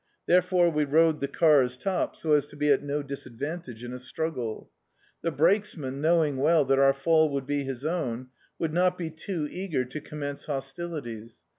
Therefore we rode the car's top, so as to be at no disadvan tage in a struggle. The brakesman, knowing well that our fall would be his own, would not be too eager to commence hostilities.